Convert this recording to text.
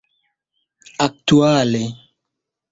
aktuale